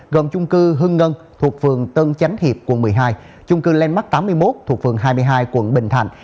gồm chung cư hưng ngân thuộc phường tân chánh hiệp quận một mươi hai chung cư landmark tám mươi một thuộc phường hai mươi hai quận bình thạnh